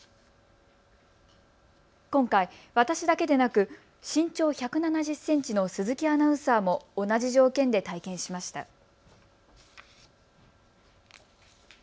今回、私だけでなく身長１７０センチの鈴木アナウンサーも同じ条件で体験しました。